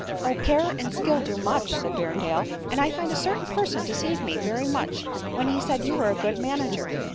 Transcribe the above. " Oh ! care and skill can do much," said Berrendale ;—" and I find a certain person deceived me very much when he said you were a good manager."